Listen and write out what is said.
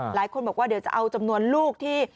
หลายคนบอกว่าเดี๋ยวจะเอาจำนวนลูกที่